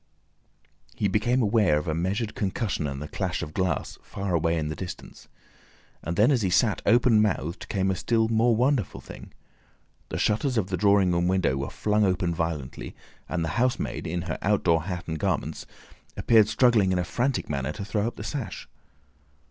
He became aware of a measured concussion and the clash of glass, far away in the distance. And then, as he sat open mouthed, came a still more wonderful thing. The shutters of the drawing room window were flung open violently, and the housemaid in her outdoor hat and garments, appeared struggling in a frantic manner to throw up the sash.